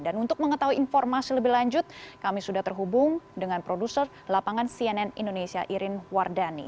untuk mengetahui informasi lebih lanjut kami sudah terhubung dengan produser lapangan cnn indonesia irin wardani